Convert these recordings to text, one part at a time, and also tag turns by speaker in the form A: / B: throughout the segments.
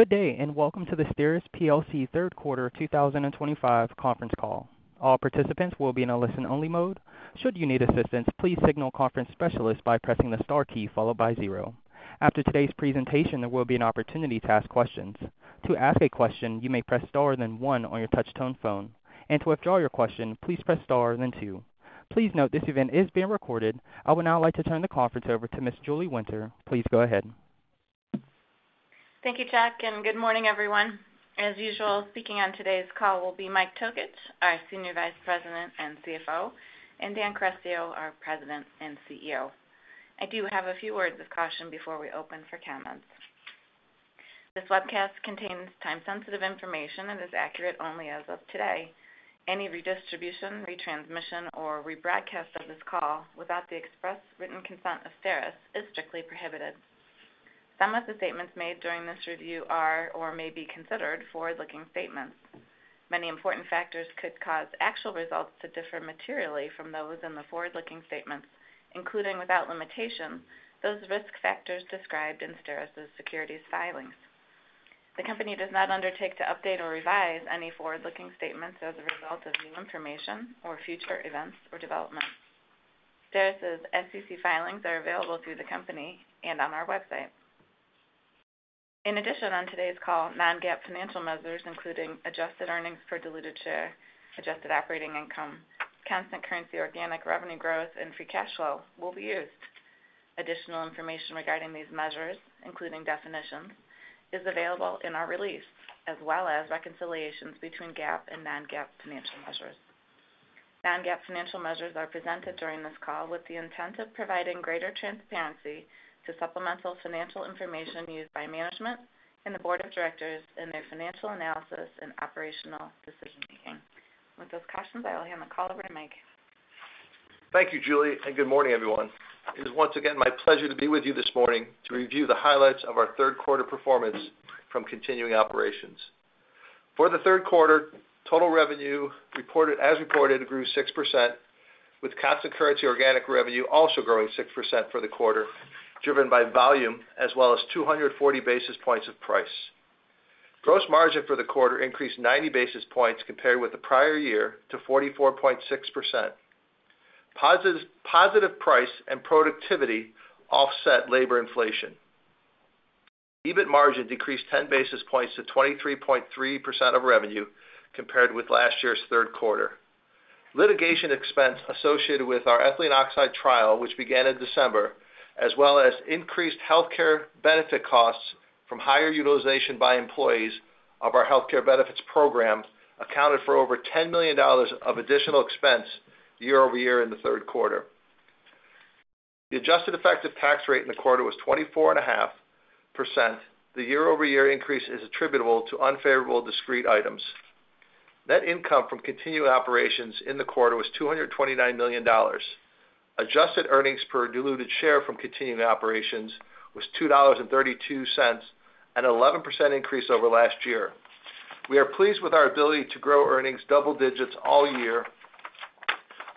A: Good day, and welcome to the STERIS plc Third Quarter 2025 Conference Call. All participants will be in a listen-only mode. Should you need assistance, please signal conference specialist by pressing the star key followed by zero. After today's presentation, there will be an opportunity to ask questions. To ask a question, you may press star then one on your touch-tone phone, and to withdraw your question, please press star then two. Please note this event is being recorded. I would now like to turn the conference over to Ms. Julie Winter. Please go ahead.
B: Thank you, Jack, and good morning, everyone. As usual, speaking on today's call will be Mike Tokich, our Senior Vice President and CFO, and Dan Carestio, our President and CEO. I do have a few words of caution before we open for comments. This webcast contains time-sensitive information and is accurate only as of today. Any redistribution, retransmission, or rebroadcast of this call without the express written consent of STERIS is strictly prohibited. Some of the statements made during this review are or may be considered forward-looking statements. Many important factors could cause actual results to differ materially from those in the forward-looking statements, including without limitation, those risk factors described in STERIS's securities filings. The company does not undertake to update or revise any forward-looking statements as a result of new information or future events or developments. STERIS's SEC filings are available through the company and on our website. In addition, on today's call, non-GAAP financial measures, including adjusted earnings per diluted share, adjusted operating income, constant currency organic revenue growth, and free cash flow, will be used. Additional information regarding these measures, including definitions, is available in our release, as well as reconciliations between GAAP and non-GAAP financial measures. Non-GAAP financial measures are presented during this call with the intent of providing greater transparency to supplemental financial information used by management and the board of directors in their financial analysis and operational decision-making. With those questions, I will hand the call over to Mike.
C: Thank you, Julie, and good morning, everyone. It is once again my pleasure to be with you this morning to review the highlights of our third quarter performance from continuing operations. For the third quarter, total revenue reported as reported grew 6%, with constant currency organic revenue also growing 6% for the quarter, driven by volume as well as 240 basis points of price. Gross margin for the quarter increased 90 basis points compared with the prior year to 44.6%. Positive price and productivity offset labor inflation. EBIT margin decreased 10 basis points to 23.3% of revenue compared with last year's third quarter. Litigation expense associated with our ethylene oxide trial, which began in December, as well as increased healthcare benefit costs from higher utilization by employees of our healthcare benefits program, accounted for over $10 million of additional expense year-over-year in the third quarter. The adjusted effective tax rate in the quarter was 24.5%. The year-over-year increase is attributable to unfavorable discrete items. Net income from continuing operations in the quarter was $229 million. Adjusted earnings per diluted share from continuing operations was $2.32, an 11% increase over last year. We are pleased with our ability to grow earnings double digits all year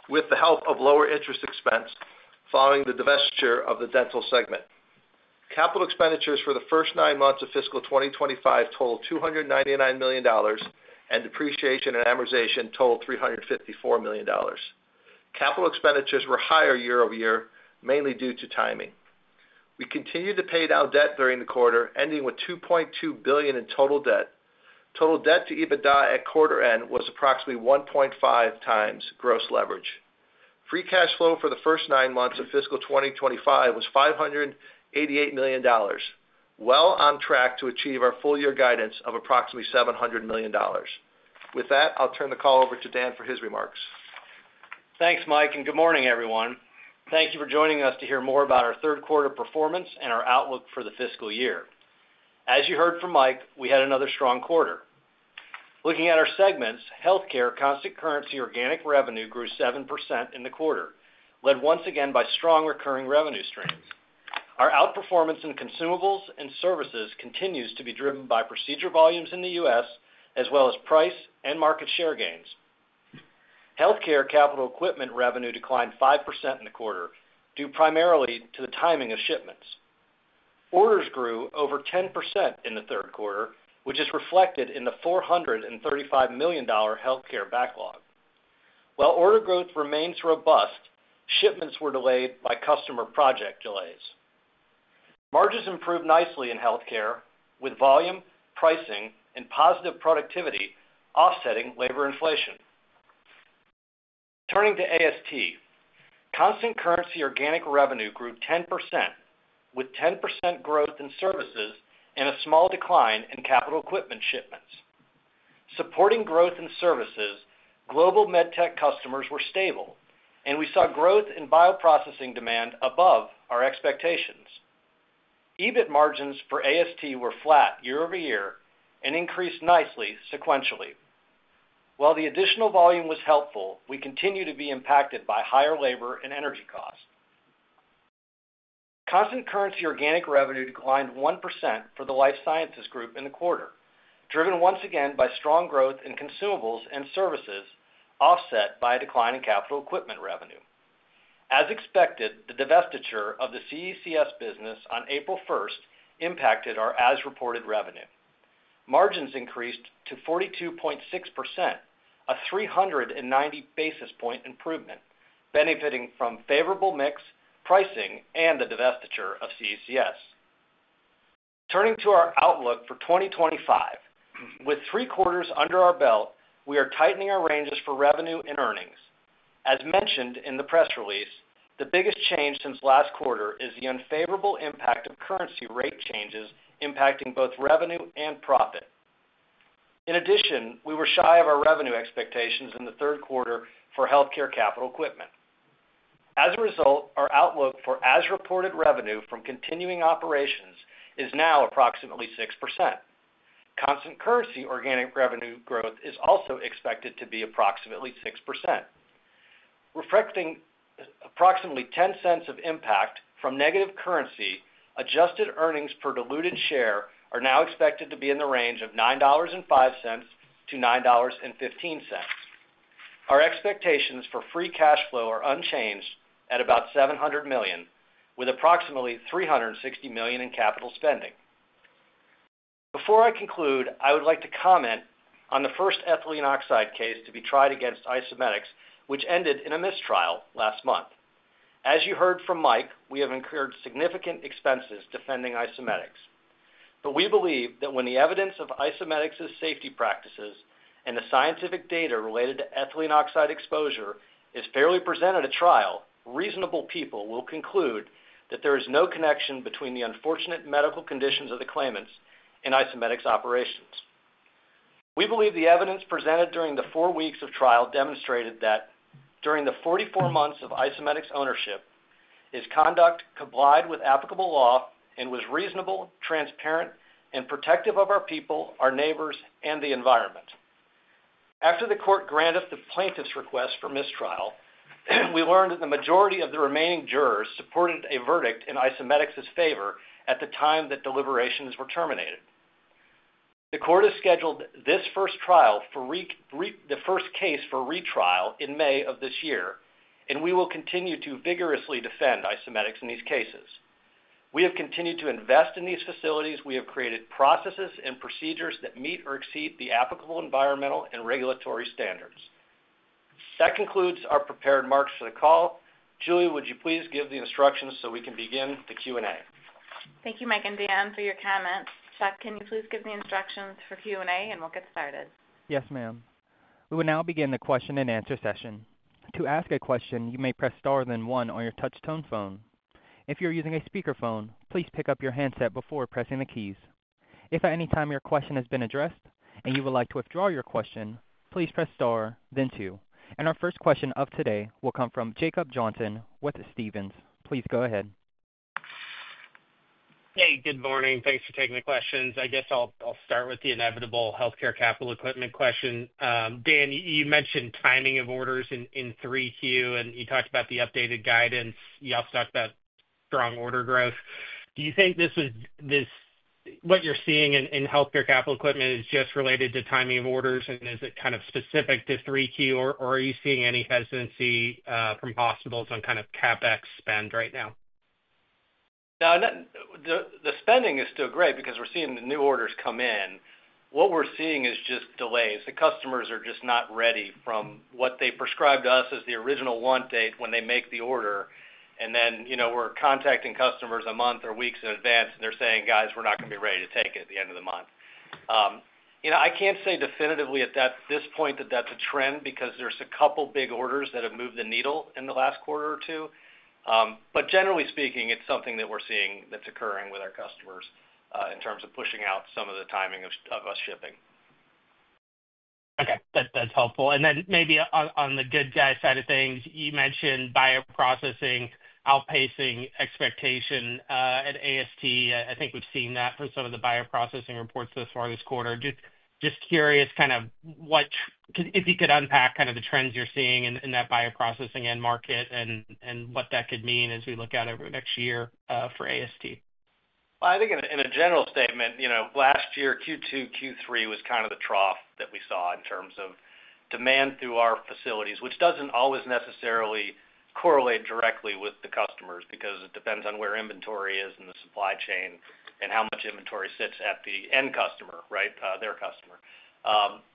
C: with the help of lower interest expense following the divestiture of the dental segment. Capital expenditures for the first nine months of fiscal 2025 totaled $299 million, and depreciation and amortization totaled $354 million. Capital expenditures were higher year-over-year, mainly due to timing. We continued to pay down debt during the quarter, ending with $2.2 billion in total debt. Total debt to EBITDA at quarter end was approximately 1.5 times gross leverage. Free cash flow for the first nine months of fiscal 2025 was $588 million, well on track to achieve our full-year guidance of approximately $700 million. With that, I'll turn the call over to Dan for his remarks.
D: Thanks, Mike, and good morning, everyone. Thank you for joining us to hear more about our third quarter performance and our outlook for the fiscal year. As you heard from Mike, we had another strong quarter. Looking at our segments, healthcare, constant currency organic revenue grew 7% in the quarter, led once again by strong recurring revenue streams. Our outperformance in consumables and services continues to be driven by procedure volumes in the U.S., as well as price and market share gains. Healthcare capital equipment revenue declined 5% in the quarter, due primarily to the timing of shipments. Orders grew over 10% in the third quarter, which is reflected in the $435 million healthcare backlog. While order growth remains robust, shipments were delayed by customer project delays. Margins improved nicely in healthcare, with volume, pricing, and positive productivity offsetting labor inflation. Turning to AST, constant currency organic revenue grew 10%, with 10% growth in services and a small decline in capital equipment shipments. Supporting growth in services, global MedTech customers were stable, and we saw growth in bioprocessing demand above our expectations. EBIT margins for AST were flat year-over-year and increased nicely sequentially. While the additional volume was helpful, we continue to be impacted by higher labor and energy costs. Constant currency organic revenue declined 1% for the Life Sciences group in the quarter, driven once again by strong growth in consumables and services offset by a decline in capital equipment revenue. As expected, the divestiture of the CECS business on April 1st impacted our as-reported revenue. Margins increased to 42.6%, a 390 basis point improvement, benefiting from favorable mix pricing and the divestiture of CECS. Turning to our outlook for 2025, with three quarters under our belt, we are tightening our ranges for revenue and earnings. As mentioned in the press release, the biggest change since last quarter is the unfavorable impact of currency rate changes impacting both revenue and profit. In addition, we were shy of our revenue expectations in the third quarter for healthcare capital equipment. As a result, our outlook for as-reported revenue from continuing operations is now approximately 6%. Constant currency organic revenue growth is also expected to be approximately 6%. Reflecting approximately $0.10 of impact from negative currency, adjusted earnings per diluted share are now expected to be in the range of $9.05-$9.15. Our expectations for free cash flow are unchanged at about $700 million, with approximately $360 million in capital spending. Before I conclude, I would like to comment on the first ethylene oxide case to be tried against Isomedix, which ended in a mistrial last month. As you heard from Mike, we have incurred significant expenses defending Isomedix. But we believe that when the evidence of Isomedix's safety practices and the scientific data related to ethylene oxide exposure is fairly presented at trial, reasonable people will conclude that there is no connection between the unfortunate medical conditions of the claimants and Isomedix operations. We believe the evidence presented during the four weeks of trial demonstrated that during the 44 months of Isomedix ownership, its conduct complied with applicable law and was reasonable, transparent, and protective of our people, our neighbors, and the environment. After the court granted the plaintiff's request for mistrial, we learned that the majority of the remaining jurors supported a verdict in Isomedix's favor at the time that deliberations were terminated. The court has scheduled this first trial for the first case for retrial in May of this year, and we will continue to vigorously defend Isomedix in these cases. We have continued to invest in these facilities. We have created processes and procedures that meet or exceed the applicable environmental and regulatory standards. That concludes our prepared remarks for the call. Julie, would you please give the instructions so we can begin the Q&A?
B: Thank you, Mike and Dan, for your comments. Jack, can you please give the instructions for Q&A, and we'll get started?
A: Yes, ma'am. We will now begin the question-and-answer session. To ask a question, you may press star then one on your touch-tone phone. If you're using a speakerphone, please pick up your handset before pressing the keys. If at any time your question has been addressed and you would like to withdraw your question, please press star, then two. And our first question of today will come from Jacob Johnson with Stephens. Please go ahead.
E: Hey, good morning. Thanks for taking the questions. I guess I'll start with the inevitable healthcare capital equipment question. Dan, you mentioned timing of orders in 3Q, and you talked about the updated guidance. You also talked about strong order growth. Do you think this was what you're seeing in healthcare capital equipment is just related to timing of orders, and is it kind of specific to 3Q, or are you seeing any hesitancy from hospitals on kind of CapEx spend right now?
D: No, the spending is still great because we're seeing the new orders come in. What we're seeing is just delays. The customers are just not ready from what they prescribed to us as the original want date when they make the order. And then we're contacting customers a month or weeks in advance, and they're saying, "Guys, we're not going to be ready to take it at the end of the month." I can't say definitively at this point that that's a trend because there's a couple big orders that have moved the needle in the last quarter or two. But generally speaking, it's something that we're seeing that's occurring with our customers in terms of pushing out some of the timing of us shipping.
E: Okay. That's helpful. And then maybe on the good guy side of things, you mentioned bioprocessing outpacing expectation at AST. I think we've seen that for some of the bioprocessing reports thus far this quarter. Just curious kind of what if you could unpack kind of the trends you're seeing in that bioprocessing end market and what that could mean as we look out over the next year for AST.
D: I think in a general statement, last year, Q2, Q3 was kind of the trough that we saw in terms of demand through our facilities, which doesn't always necessarily correlate directly with the customers because it depends on where inventory is in the supply chain and how much inventory sits at the end customer, right, their customer.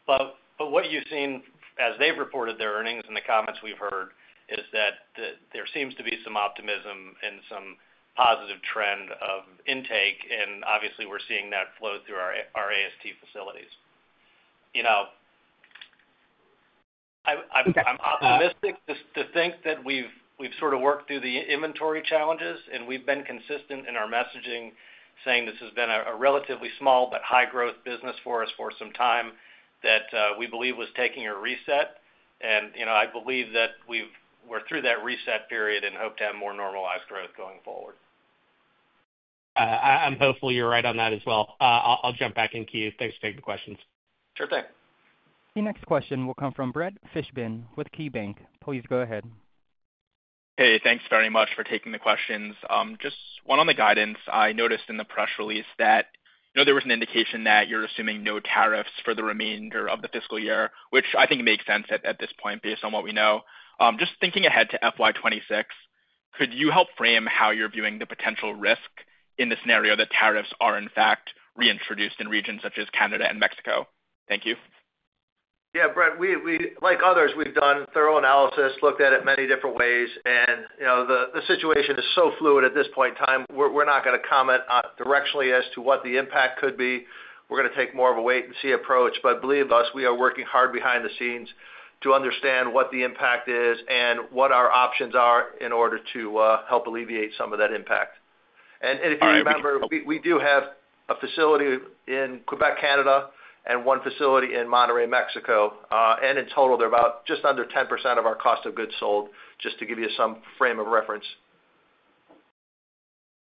D: But what you've seen as they've reported their earnings and the comments we've heard is that there seems to be some optimism and some positive trend of intake, and obviously, we're seeing that flow through our AST facilities. I'm optimistic to think that we've sort of worked through the inventory challenges, and we've been consistent in our messaging saying this has been a relatively small but high-growth business for us for some time that we believe was taking a reset. I believe that we're through that reset period and hope to have more normalized growth going forward.
E: I'm hopeful you're right on that as well. I'll jump back in queue. Thanks for taking the questions.
D: Sure thing.
A: The next question will come from Brett Fishbin with KeyBanc. Please go ahead.
F: Hey, thanks very much for taking the questions. Just one on the guidance. I noticed in the press release that there was an indication that you're assuming no tariffs for the remainder of the fiscal year, which I think makes sense at this point based on what we know. Just thinking ahead to FY 2026, could you help frame how you're viewing the potential risk in the scenario that tariffs are in fact reintroduced in regions such as Canada and Mexico? Thank you.
D: Yeah, Brett, like others, we've done thorough analysis, looked at it many different ways, and the situation is so fluid at this point in time, we're not going to comment directionally as to what the impact could be. We're going to take more of a wait-and-see approach. But believe us, we are working hard behind the scenes to understand what the impact is and what our options are in order to help alleviate some of that impact. And if you remember, we do have a facility in Quebec, Canada, and one facility in Monterrey, Mexico. And in total, they're about just under 10% of our cost of goods sold, just to give you some frame of reference.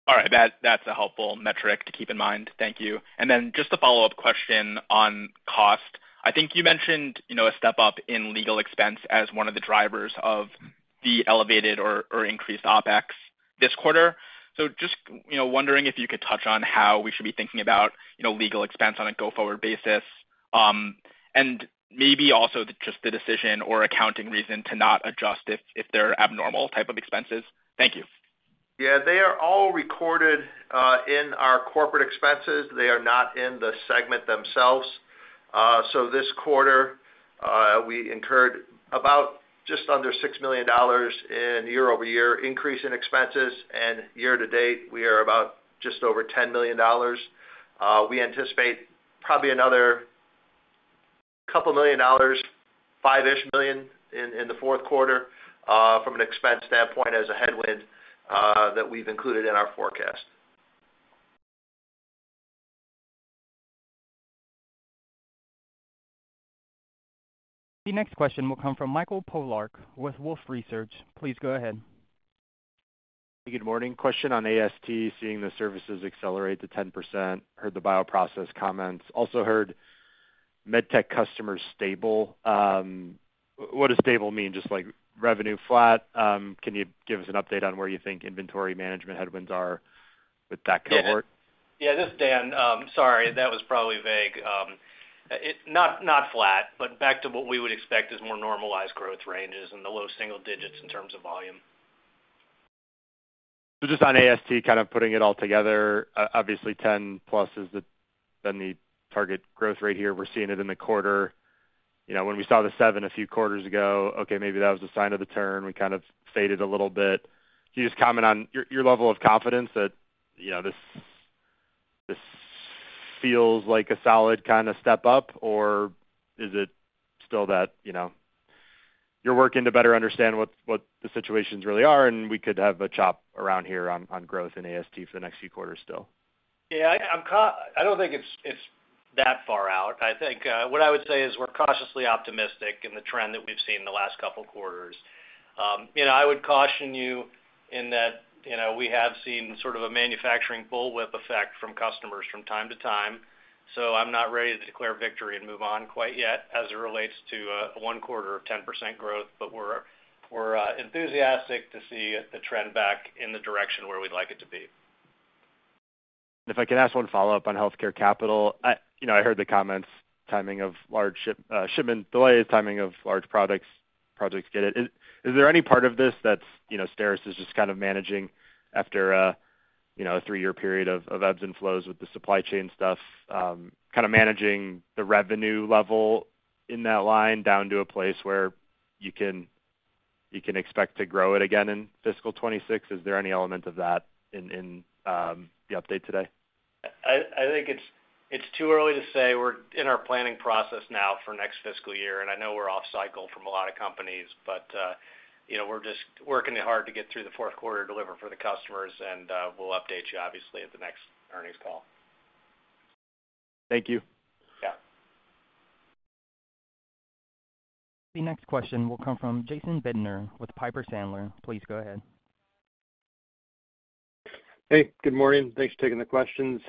F: All right. That's a helpful metric to keep in mind. Thank you. And then just a follow-up question on cost. I think you mentioned a step up in legal expense as one of the drivers of the elevated or increased OpEx this quarter. So just wondering if you could touch on how we should be thinking about legal expense on a go-forward basis, and maybe also just the decision or accounting reason to not adjust if they're abnormal type of expenses. Thank you.
D: Yeah, they are all recorded in our corporate expenses. They are not in the segment themselves. So this quarter, we incurred about just under $6 million in year-over-year increase in expenses, and year-to-date, we are about just over $10 million. We anticipate probably another couple million dollars, $5-ish million in the fourth quarter from an expense standpoint as a headwind that we've included in our forecast.
A: The next question will come from Michael Polark with Wolfe Research. Please go ahead.
G: Hey, good morning. Question on AST seeing the services accelerate to 10%. Heard the bioprocess comments. Also heard MedTech customers stable. What does stable mean? Just like revenue flat? Can you give us an update on where you think inventory management headwinds are with that cohort?
D: Yeah, this is Dan. Sorry, that was probably vague. Not flat, but back to what we would expect as more normalized growth ranges and the low single digits in terms of volume.
G: So just on AST, kind of putting it all together, obviously 10%+ is then the target growth rate here. We're seeing it in the quarter. When we saw the 7% a few quarters ago, okay, maybe that was a sign of the turn. We kind of faded a little bit. Can you just comment on your level of confidence that this feels like a solid kind of step up, or is it still that you're working to better understand what the situations really are, and we could have a chop around here on growth in AST for the next few quarters still?
D: Yeah, I don't think it's that far out. I think what I would say is we're cautiously optimistic in the trend that we've seen in the last couple of quarters. I would caution you in that we have seen sort of a manufacturing bullwhip effect from customers from time to time. So I'm not ready to declare victory and move on quite yet as it relates to a one quarter of 10% growth, but we're enthusiastic to see the trend back in the direction where we'd like it to be.
G: If I can ask one follow-up on healthcare capital, I heard the comments on timing of large shipment delays, on timing of large projects. Got it. Is there any part of this that STERIS is just kind of managing after a three-year period of ebbs and flows with the supply chain stuff, kind of managing the revenue level in that line down to a place where you can expect to grow it again in fiscal 2026? Is there any element of that in the update today?
D: I think it's too early to say. We're in our planning process now for next fiscal year, and I know we're off-cycle from a lot of companies, but we're just working hard to get through the fourth quarter delivery for the customers, and we'll update you, obviously, at the next earnings call.
G: Thank you.
D: Yeah.
A: The next question will come from Jason Bednar with Piper Sandler. Please go ahead.
H: Hey, good morning. Thanks for taking the questions.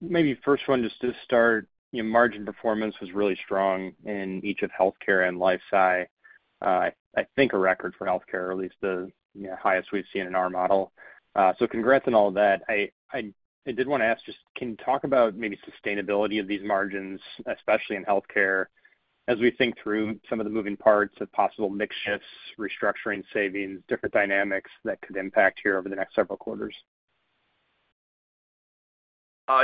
H: Maybe first one, just to start, margin performance was really strong in each of healthcare and Life Sci, I think a record for healthcare, or at least the highest we've seen in our model. So congrats on all that. I did want to ask just, can you talk about maybe sustainability of these margins, especially in healthcare, as we think through some of the moving parts of possible mixed shifts, restructuring savings, different dynamics that could impact here over the next several quarters?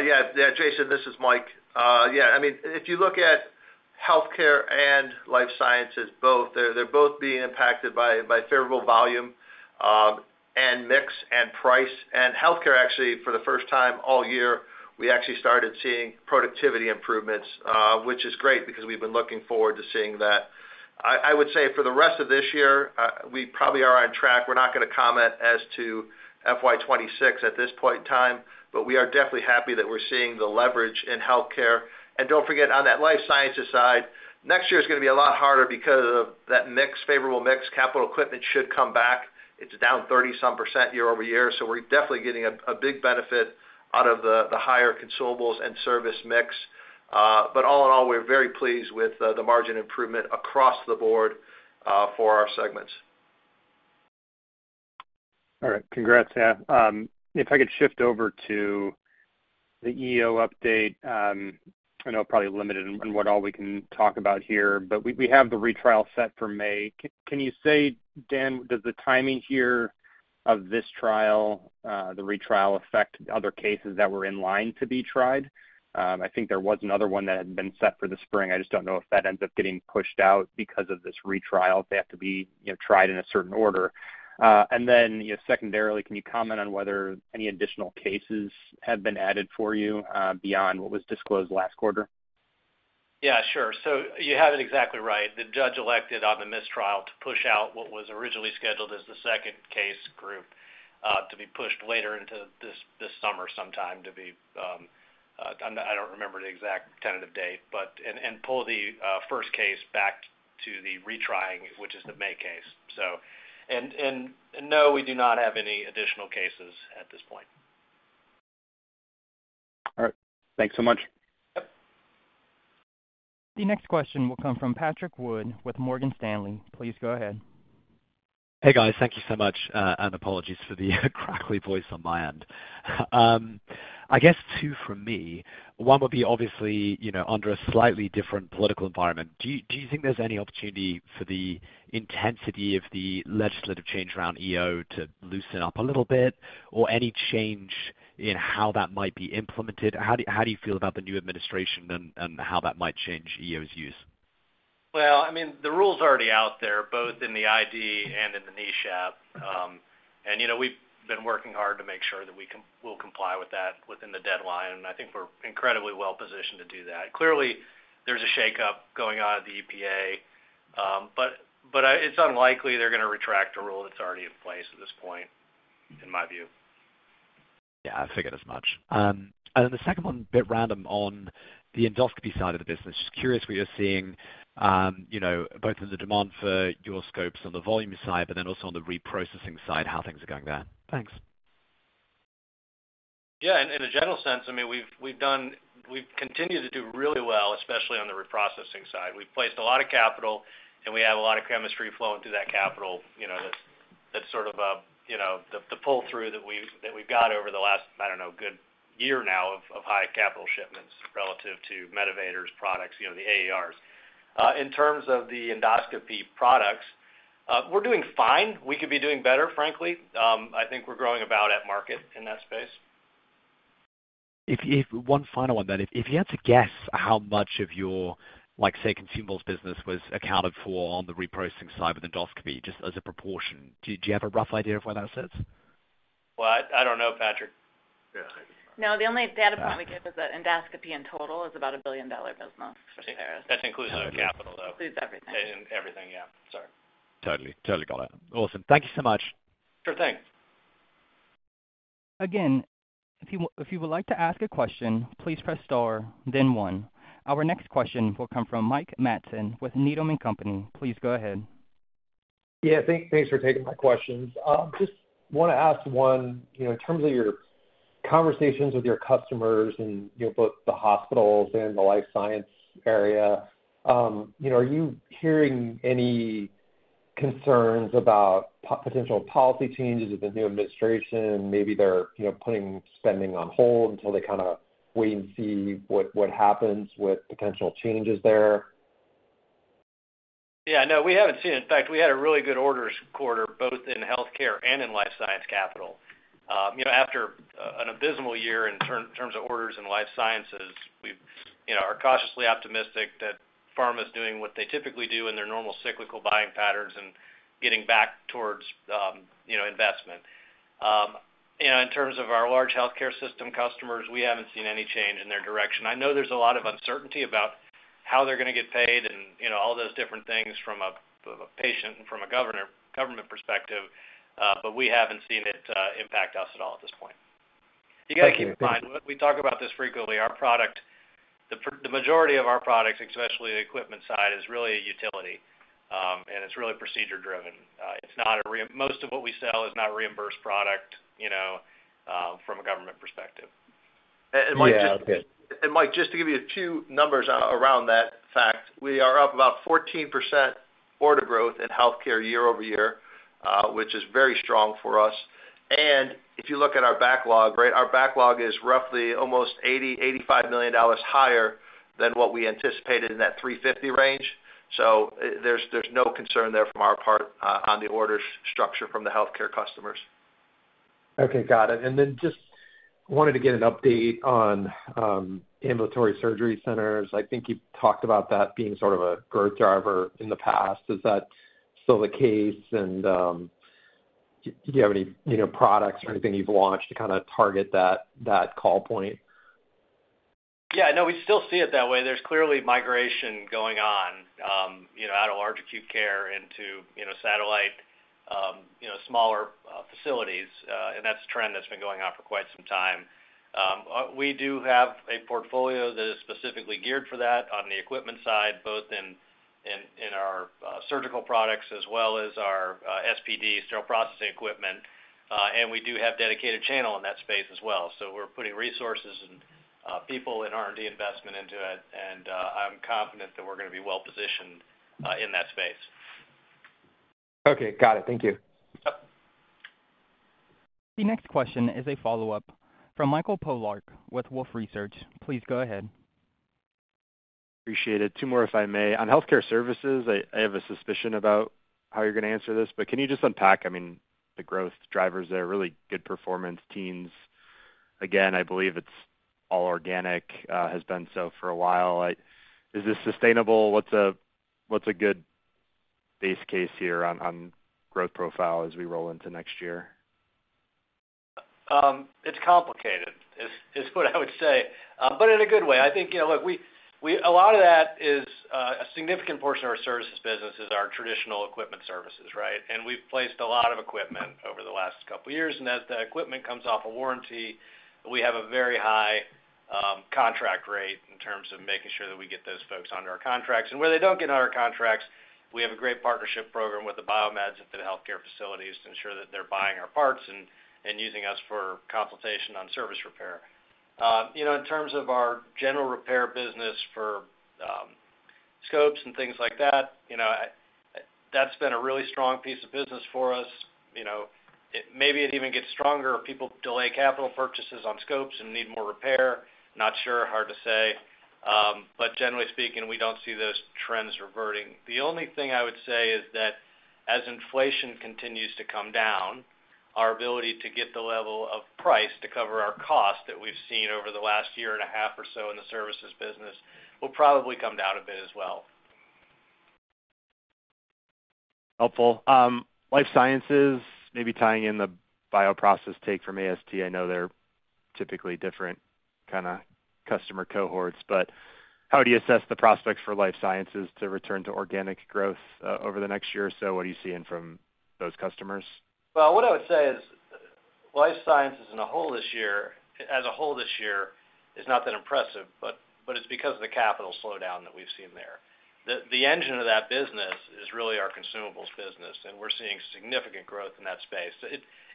C: Yeah, Jason, this is Mike. Yeah, I mean, if you look at healthcare and Life Sciences both, they're both being impacted by favorable volume and mix and price. And healthcare, actually, for the first time all year, we actually started seeing productivity improvements, which is great because we've been looking forward to seeing that. I would say for the rest of this year, we probably are on track. We're not going to comment as to FY 2026 at this point in time, but we are definitely happy that we're seeing the leverage in healthcare. And don't forget, on that Life Sciences side, next year is going to be a lot harder because of that mixed favorable mix capital equipment should come back. It's down 30-some % year-over-year. So we're definitely getting a big benefit out of the higher consumables and service mix. But all in all, we're very pleased with the margin improvement across the board for our segments.
H: All right. Congrats, Dan. If I could shift over to the EO update, I know it's probably limited in what all we can talk about here, but we have the retrial set for May. Can you say, Dan, does the timing here of this trial, the retrial, affect other cases that were in line to be tried? I think there was another one that had been set for the spring. I just don't know if that ends up getting pushed out because of this retrial. They have to be tried in a certain order. And then secondarily, can you comment on whether any additional cases have been added for you beyond what was disclosed last quarter?
D: Yeah, sure. So you have it exactly right. The judge elected on the mistrial to push out what was originally scheduled as the second case group to be pushed later into this summer sometime to be, I don't remember the exact tentative date, and pull the first case back to the retrying, which is the May case. And no, we do not have any additional cases at this point.
H: All right. Thanks so much.
D: Yep.
A: The next question will come from Patrick Wood with Morgan Stanley. Please go ahead.
I: Hey, guys. Thank you so much, and apologies for the crackly voice on my end. I guess two for me. One would be obviously under a slightly different political environment. Do you think there's any opportunity for the intensity of the legislative change around EO to loosen up a little bit or any change in how that might be implemented? How do you feel about the new administration and how that might change EO's use?
D: I mean, the rules are already out there, both in the ID and in the NESHAP. And we've been working hard to make sure that we will comply with that within the deadline. And I think we're incredibly well-positioned to do that. Clearly, there's a shakeup going on at the EPA, but it's unlikely they're going to retract a rule that's already in place at this point, in my view.
I: Yeah, I figure as much. And then the second one, a bit random on the endoscopy side of the business. Just curious what you're seeing both in the demand for your scopes on the volume side, but then also on the reprocessing side, how things are going there. Thanks.
D: Yeah, in a general sense, I mean, we've continued to do really well, especially on the reprocessing side. We've placed a lot of capital, and we have a lot of chemistry flowing through that capital that's sort of the pull-through that we've got over the last, I don't know, good year now of high capital shipments relative to Medivators products, the AERs. In terms of the endoscopy products, we're doing fine. We could be doing better, frankly. I think we're growing about at market in that space.
I: One final one then. If you had to guess how much of your, say, consumables business was accounted for on the reprocessing side with endoscopy, just as a proportion, do you have a rough idea of where that sits?
D: I don't know, Patrick.
B: No, the only data point we get is that endoscopy in total is about a $1 billion business for STERIS.
D: That's inclusive of capital, though.
C: Includes everything.
D: Everything, yeah. Sorry.
I: Totally. Totally got it. Awesome. Thank you so much.
D: Sure thing.
A: Again, if you would like to ask a question, please press star, then one. Our next question will come from Mike Matson with Needham & Company. Please go ahead.
J: Yeah, thanks for taking my questions. Just want to ask one, in terms of your conversations with your customers in both the hospitals and the Life Sciences area, are you hearing any concerns about potential policy changes of the new administration? Maybe they're putting spending on hold until they kind of wait and see what happens with potential changes there.
D: Yeah, no, we haven't seen it. In fact, we had a really good orders quarter both in healthcare and in life science capital. After an abysmal year in terms of orders in Life Sciences, we are cautiously optimistic that pharma is doing what they typically do in their normal cyclical buying patterns and getting back towards investment. In terms of our large healthcare system customers, we haven't seen any change in their direction. I know there's a lot of uncertainty about how they're going to get paid and all those different things from a patient and from a government perspective, but we haven't seen it impact us at all at this point. You guys can be fine. We talk about this frequently. The majority of our products, especially the equipment side, is really utility, and it's really procedure-driven. Most of what we sell is not reimbursed product from a government perspective. And Mike, just to give you a few numbers around that fact, we are up about 14% order growth in healthcare year-over-year, which is very strong for us. And if you look at our backlog, right, our backlog is roughly almost $80 million-$85 million higher than what we anticipated in that $350 million range. So there's no concern there from our part on the orders structure from the healthcare customers.
J: Okay, got it. And then just wanted to get an update on ambulatory surgery centers. I think you've talked about that being sort of a growth driver in the past. Is that still the case? And do you have any products or anything you've launched to kind of target that call point?
D: Yeah, no, we still see it that way. There's clearly migration going on out of large acute care into satellite, smaller facilities, and that's a trend that's been going on for quite some time. We do have a portfolio that is specifically geared for that on the equipment side, both in our surgical products as well as our SPD, sterile processing equipment, and we do have dedicated channel in that space as well. So we're putting resources and people and R&D investment into it, and I'm confident that we're going to be well-positioned in that space.
C: Okay, got it. Thank you.
D: Yep.
A: The next question is a follow-up from Michael Polark with Wolfe Research. Please go ahead.
G: Appreciate it. Two more if I may. On healthcare services, I have a suspicion about how you're going to answer this, but can you just unpack, I mean, the growth drivers there? Really good performance teams. Again, I believe it's all organic, has been so for a while. Is this sustainable? What's a good base case here on growth profile as we roll into next year?
D: It's complicated is what I would say, but in a good way. I think, you know, look, a lot of that is a significant portion of our services business is our traditional equipment services, right? And we've placed a lot of equipment over the last couple of years, and as the equipment comes off a warranty, we have a very high contract rate in terms of making sure that we get those folks onto our contracts. And where they don't get on our contracts, we have a great partnership program with the biomeds, the healthcare facilities to ensure that they're buying our parts and using us for consultation on service repair. In terms of our general repair business for scopes and things like that, that's been a really strong piece of business for us. Maybe it even gets stronger if people delay capital purchases on scopes and need more repair. Not sure, hard to say. But generally speaking, we don't see those trends reverting. The only thing I would say is that as inflation continues to come down, our ability to get the level of price to cover our cost that we've seen over the last year and a half or so in the services business will probably come down a bit as well.
G: Helpful. Life Sciences, maybe tying in the bioprocess take from AST, I know they're typically different kind of customer cohorts, but how do you assess the prospects for Life Sciences to return to organic growth over the next year or so? What are you seeing from those customers?
D: What I would say is Life Sciences as a whole this year is not that impressive, but it's because of the capital slowdown that we've seen there. The engine of that business is really our consumables business, and we're seeing significant growth in that space.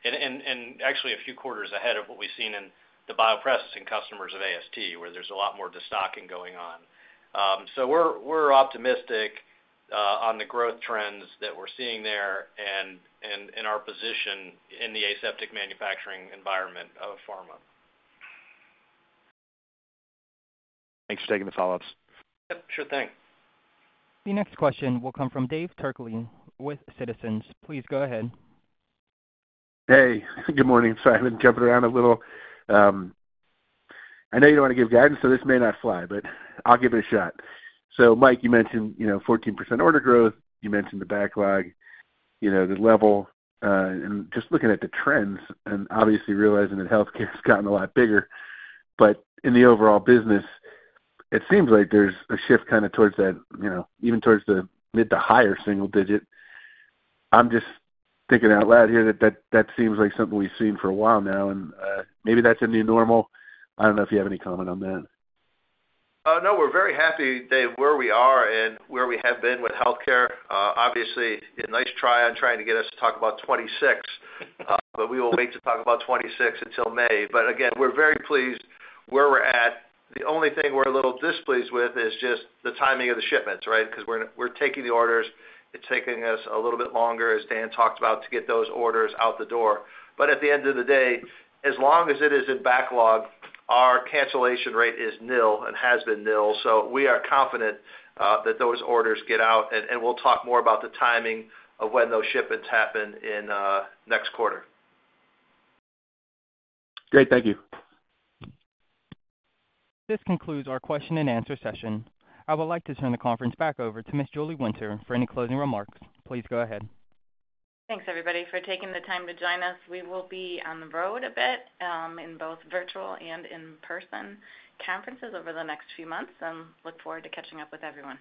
D: Actually, a few quarters ahead of what we've seen in the bioprocessing customers of AST, where there's a lot more destocking going on. We're optimistic on the growth trends that we're seeing there and in our position in the aseptic manufacturing environment of pharma.
G: Thanks for taking the follow-ups.
D: Yep, sure thing.
A: The next question will come from Dave Turkaly with Citizens. Please go ahead.
K: Hey, good morning. Sorry, I've been jumping around a little. I know you don't want to give guidance, so this may not fly, but I'll give it a shot, so Mike, you mentioned 14% order growth. You mentioned the backlog, the level, and just looking at the trends and obviously realizing that healthcare has gotten a lot bigger, but in the overall business, it seems like there's a shift kind of towards that, even towards the mid to higher single digit. I'm just thinking out loud here that that seems like something we've seen for a while now, and maybe that's a new normal. I don't know if you have any comment on that.
C: No, we're very happy, Dave, where we are and where we have been with healthcare. Obviously, a nice try on trying to get us to talk about 2026, but we will wait to talk about 2026 until May. But again, we're very pleased where we're at. The only thing we're a little displeased with is just the timing of the shipments, right? Because we're taking the orders. It's taking us a little bit longer, as Dan talked about, to get those orders out the door. But at the end of the day, as long as it is in backlog, our cancellation rate is nil and has been nil. So we are confident that those orders get out, and we'll talk more about the timing of when those shipments happen in next quarter. Great. Thank you.
A: This concludes our question-and answer-session. I would like to turn the conference back over to Ms. Julie Winter for any closing remarks. Please go ahead.
B: Thanks, everybody, for taking the time to join us. We will be on the road a bit in both virtual and in-person conferences over the next few months, and look forward to catching up with everyone.